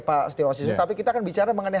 pak stiwasius tapi kita akan bicara mengenai